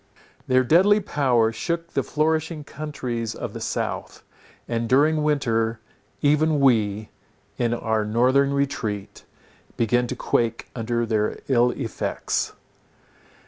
Their deadly power shook the flourishing countries of the south, and during winter, even, we, in our northern retreat, began to quake under their ill effects.